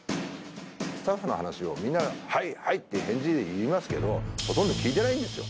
スタッフの話をみんながはいはいって返事で言いますけど、ほとんど聞いてないんですよ。